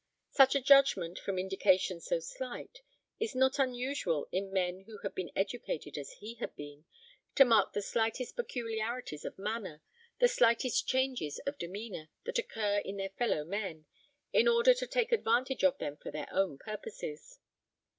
Such a judgment, from indications so slight, is not unusual in men who have been educated as he had been, to mark the slightest peculiarities of manner, the slightest changes of demeanour, that occur in their fellow men, in order to take advantage of them for their own purposes.